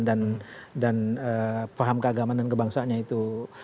dan paham keagaman dan kebangsaannya itu